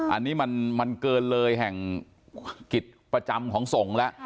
อันนี้มันเกินเลยแห่งกิจประจำของสงฆ์แล้ว